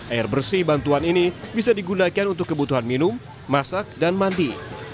air bersih bantuan ini bisa digunakan untuk kebutuhan minum masak dan mandi